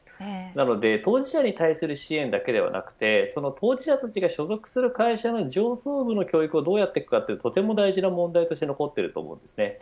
なので、当事者に対する支援だけではなくてその当事者たちが所属する会社の上層部の教育をどうやっていくかはとても大事な問題として残っていると思います。